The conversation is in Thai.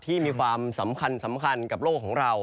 ที่มีความสำคัญสำคัญกับโลกของเรา